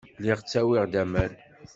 Lliɣ ttawiɣ-d aman.